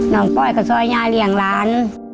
น้องป้อยก็ช่วยย่ายเลี่ยงร้าน